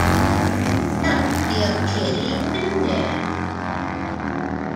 That would be a pity, wouldn't it?